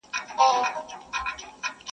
چي بیا تښتي له کابله زخمي زړونه مات سرونه-